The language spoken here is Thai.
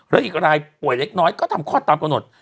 แล้วอีกรายป่วยเล็กน้อยก็ทำคลอดตามกำหนด